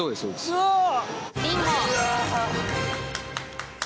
うわっ。